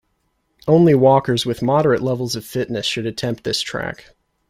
Only walkers with moderate levels of fitness should attempt this track.